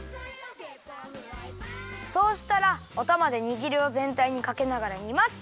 そうしたらおたまで煮じるをぜんたいにかけながら煮ます。